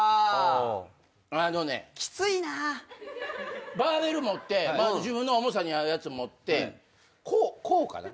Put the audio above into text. あのねバーベル持って自分の重さに合うやつ持ってこうこうかな？